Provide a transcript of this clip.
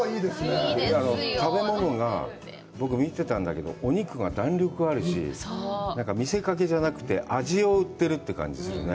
食べ物、僕、見てたんだけど、お肉が弾力あるし、見せかけじゃなくて、味を売ってるという感じするね。